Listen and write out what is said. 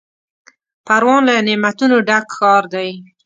پروان له نعمتونو ډک ښار دی.